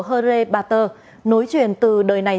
hơ rê ba tơ nối truyền từ đời này